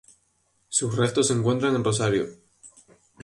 Sus restos se encuentran en Rosario.